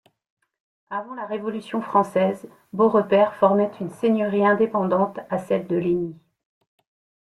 Avant la Révolution française, Beaurepaire formait une seigneurie indépendante à celle de Laigny.